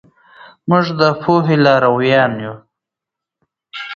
موږ د پوهې لارویان یو.